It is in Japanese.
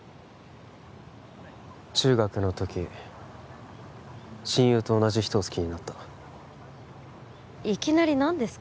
中学の時親友と同じ人を好きになったいきなり何ですか？